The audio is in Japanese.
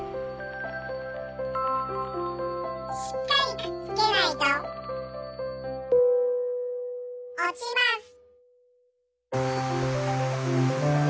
しっかりくっつけないとおちます。